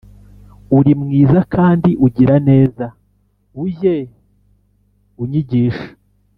Uri mwiza kandi ugira neza ujye unyigisha